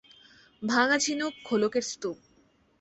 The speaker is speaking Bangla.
ভাঙা ঝিনুক খোলকের স্তূপ।